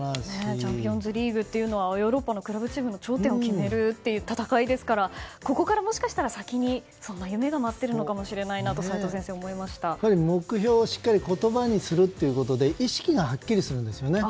チャンピオンズリーグはヨーロッパのクラブチームの頂点を決める戦いですからここからもしかしたら先にそんな夢が待っているのかもしれないなと目標をしっかり言葉にするということで意識がはっきりとするんですよね。